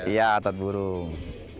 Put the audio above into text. iya otot burung